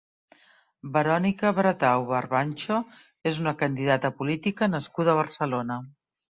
Verònica Bretau Barbancho és una candidata política nascuda a Barcelona.